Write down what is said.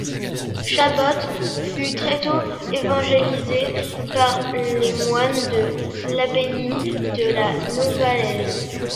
Chabottes fut très tôt évangélisée par les moines de l'abbaye de la Novalaise.